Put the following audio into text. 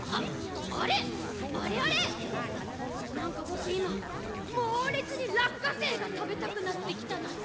なんかぼくいまもうれつにらっかせいがたべたくなってきたナッツ。